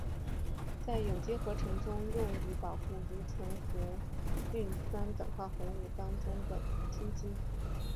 在有机合成中用于保护如醇和羧酸等化合物当中的羟基。